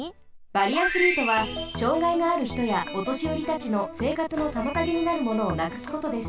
バリアフリーとは障害があるひとやおとしよりたちのせいかつのさまたげになるものをなくすことです。